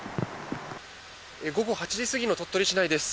午後８時過ぎの鳥取市内です。